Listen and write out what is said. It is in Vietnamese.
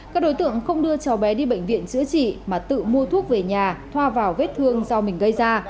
các đối tượng không đưa cháu bé đi bệnh viện chữa trị mà tự mua thuốc về nhà thoa vào vết thương do mình gây ra